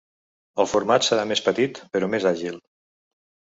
El format serà més petit, però més àgil.